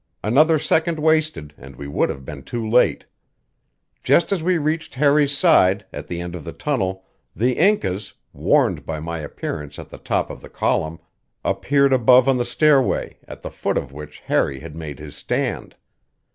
Another second wasted and we would have been too late. Just as we reached Harry's side, at the end of the tunnel, the Incas, warned by my appearance at the top of the column, appeared above on the stairway, at the foot of which Harry had made his stand.